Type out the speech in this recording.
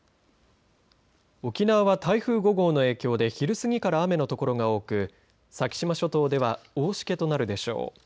沖縄は台風５号の影響で昼過ぎから雨のところが多く先島諸島では大しけとなるでしょう。